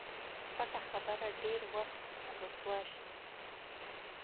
پټه خبره ډېر وخت رسوا شي.